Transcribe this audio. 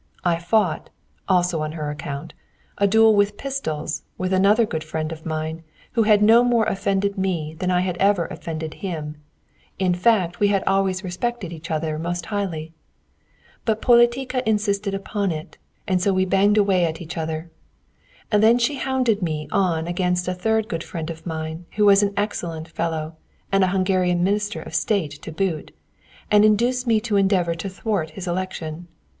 I fought (also on her account) a duel with pistols with another good friend of mine, who had no more offended me than I had ever offended him, in fact, we had always respected each other most highly. But Politica insisted upon it, and so we banged away at each other. Then she hounded me on against a third good friend of mine, who was an excellent fellow, and a Hungarian Minister of State to boot, and induced me to endeavour to thwart his election.